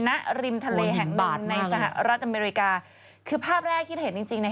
ณริมทะเลแห่งหนึ่งในสหรัฐอเมริกาคือภาพแรกที่เห็นจริงจริงเนี่ย